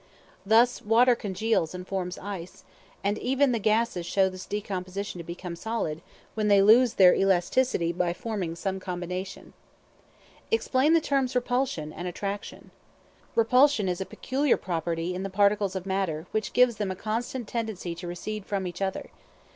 Thus, water congeals and forms ice; and even the gases show this disposition to become solid, when they lose their elasticity by forming some combination. Explain the terms Repulsion and Attraction. Repulsion is a peculiar property in the particles of matter, which gives them a constant tendency to recede from each other.